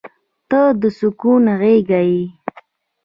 • ته د سکون غېږه یې.